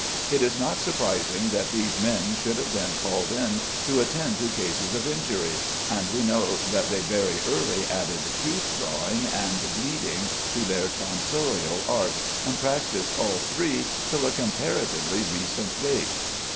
It is not surprising that these men should have been called in to attend to cases of injury, and we know that they very early added tooth drawing and bleeding to their tonsorial art, and practised all three till a comparatively recent date.